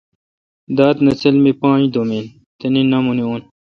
داد نسل می پانج دُوم این۔ تنے نامونے اُن۔